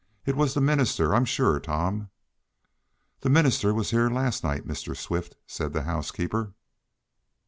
"It was the minister, I'm sure, Tom." "The minister was here last night, Mr. Swift," said the housekeeper.